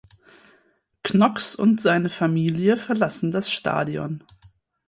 Knox und seine Familie verlassen das Stadion.